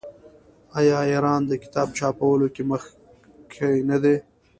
آیا ایران د کتاب چاپولو کې مخکې نه دی؟